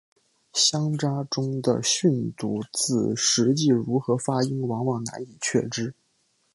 乡札中的训读字实际如何发音往往难以确知。